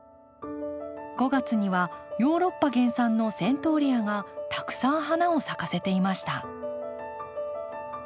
５月にはヨーロッパ原産のセントーレアがたくさん花を咲かせていました。